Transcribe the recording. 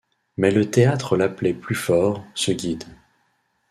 Mais le théâtre l’appelait plus fort, ce guide.